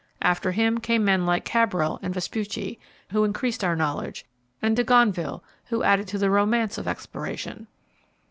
After him came men like Cabral and Vespucci, who increased our knowledge, and de Gonneville, who added to the romance of exploration.